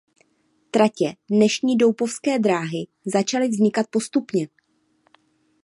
Tratě dnešní Doupovské dráhy začaly vznikat postupně.